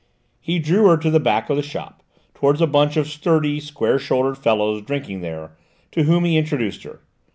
He drew her to the back of the shop, towards a bunch of sturdy, square shouldered fellows drinking there, to whom he introduced her.